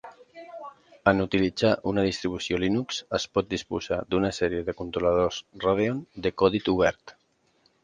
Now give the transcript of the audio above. En utilitzar una distribució Linux, es pot disposar d'una sèrie de controladors Radeon de codi obert.